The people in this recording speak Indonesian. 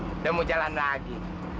udah mau jalan lagi